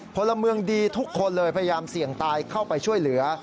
พลเมืองดีทุกคนเลยพยายามเสี่ยงตายเข้าไปช่วยเหลือ